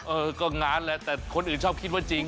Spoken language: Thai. เออก็งานแหละแต่คนอื่นชอบคิดว่าจริง